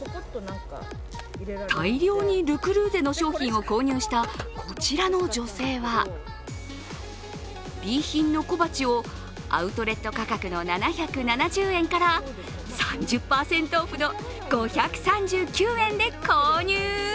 大量にル・クルーゼの商品を購入した、こちらの女性はＢ品の小鉢をアウトレット価格の７７０円から３０％オフの５３９円で購入。